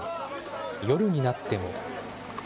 夜になっても。